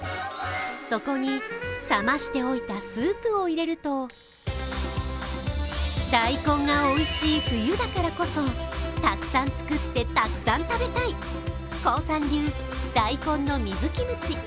そこに、冷ましておいたスープを入れると大根がおいしい冬だからこそ、たくさん作ってたくさん食べたい、コウさん流、大根の水キムチ。